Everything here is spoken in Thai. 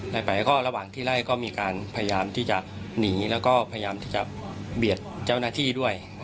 ไปก็ระหว่างที่ไล่ก็มีการพยายามที่จะหนีแล้วก็พยายามที่จะเบียดเจ้าหน้าที่ด้วย